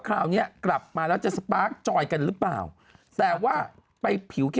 คราวนี้กลับมาแล้วจะสปาร์คจอยกันหรือเปล่าแต่ว่าไปผิวแค่